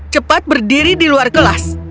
cepat berdiri di luar kelas